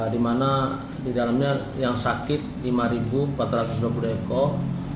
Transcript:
di mana di dalamnya yang sakit lima empat ratus dua puluh ekor